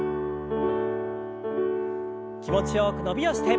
気持ちよく伸びをして。